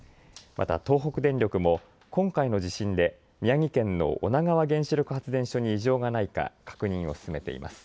また東北電力も今回の地震で宮城県の女川原子力発電所に異常がないか確認を進めています。